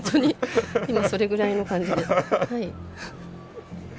それぐらいの感じです。